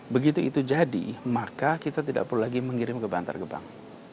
begitu itu jadi maka kita tidak perlu lagi mengirim ke bantar gebang